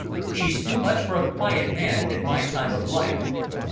She's too much for a quiet man at my time of life.